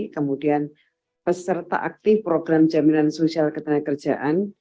kemudian peserta aktif program jaminan sosial ketenagakerjaan